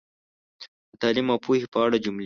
د تعلیم او پوهې په اړه جملې